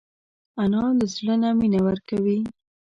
انا له زړه نه مینه ورکوي